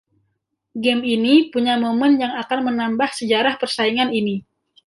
Game ini punya momen yang akan menambah sejarah persaingan ini.